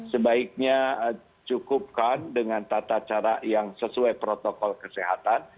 sebaiknya cukupkan dengan tata cara yang sesuai protokol kesehatan